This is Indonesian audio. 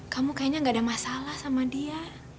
kamu kayaknya gak ada masalah sama dia